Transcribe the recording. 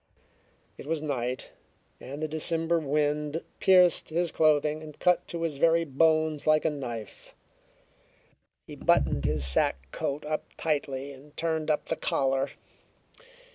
It was night, and the December wind pierced his clothing and cut to his very bones like a knife. He buttoned his sack coat up tightly and turned up the collar.